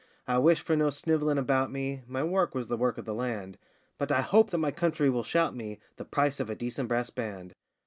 I wish for no sniv'lling about me (My work was the work of the land), But I hope that my country will shout me The price of a decent brass band.